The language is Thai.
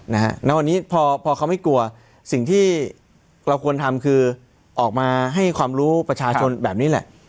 ณวันนี้พอเขาไม่กลัวสิ่งที่เราควรทำคือออกมาให้ความรู้ประชาชนแบบนี้แหละ